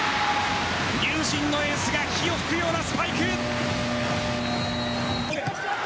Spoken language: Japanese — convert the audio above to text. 龍神のエースが火を噴くようなスパイク。